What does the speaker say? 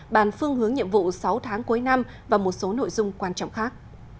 bàn phương hướng nhiệm vụ sáu tháng cuối năm và một số nội dung quan trọng khác